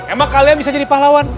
emang kalian bisa jadi pahlawan